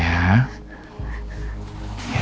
iya terima kasih ya